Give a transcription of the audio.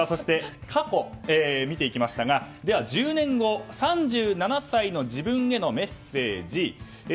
過去を見てきましたがでは、１０年後３７歳の自分へのメッセージ。